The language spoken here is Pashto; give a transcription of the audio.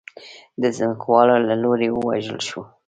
د ځمکوالو له لوري ووژل شو.